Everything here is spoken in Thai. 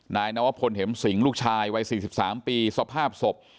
นายนวพลเห็มสิงลูกชายวัย๔๓ปีสภาพศพ